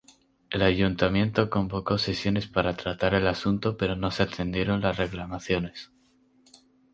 El Ayuntamiento convocó sesiones para tratar el asunto pero no se atendieron las reclamaciones.